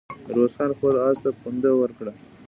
ميرويس خان خپل آس ته پونده ورکړه.